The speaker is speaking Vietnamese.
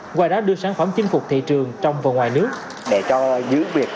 qua đó đưa sản phẩm chinh phục thị trường trong và ngoài nước